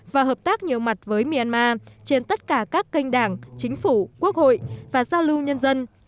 và hợp tác nhiều mặt với myanmar trên tất cả các kênh đảng chính phủ quốc hội và giao lưu nhân dân